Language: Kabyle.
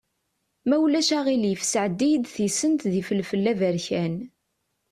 Ma ulac aɣilif sɛeddi-yi-d tisent d yifelfel aberkan.